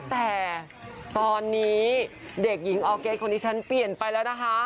แต่ตอนนี้เด็กหญิงออร์เกสคนนี้ฉันเปลี่ยนไปแล้วนะคะ